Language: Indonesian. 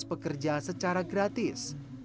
bekerja secara gratis